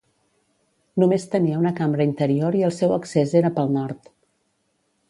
Només tenia una cambra interior i el seu accés era pel nord.